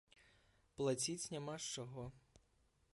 Плаціць няма з чаго.